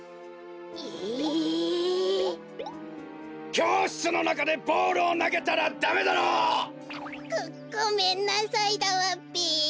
きょうしつのなかでボールをなげたらダメだろ！ごごめんなさいだわべ。